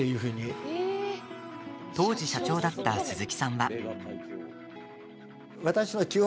当時社長だった鈴木さんは。